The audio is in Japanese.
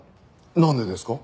なんでですか？